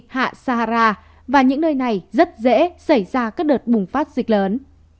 hạ sahara và những nơi này rất dễ xảy ra các đợt bùng phát dịch lớn